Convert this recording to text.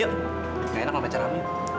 yuk nggak enak mau pacaran